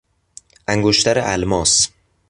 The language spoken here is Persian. انگشتر الماس